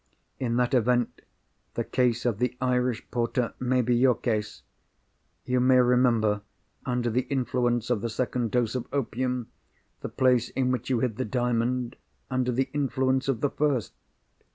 In that event, the case of the Irish porter may be your case. You may remember, under the influence of the second dose of opium, the place in which you hid the Diamond under the influence of the first."